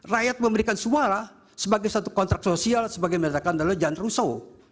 rakyat memberikan suara sebagai satu kontrak sosial sebagai merata kandalan dan ruso